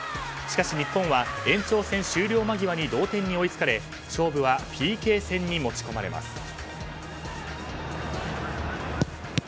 しかし日本は延長戦終了間際に同点に追いつかれ勝負はＰＫ戦に持ち込まれます。